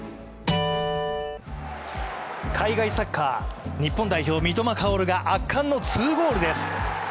海外サッカー、日本代表・三笘薫が圧巻のツーゴールです。